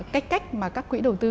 cách cách mà các quỹ đầu tư